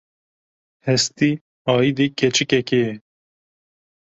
Hestî aîdî keçikekê ye.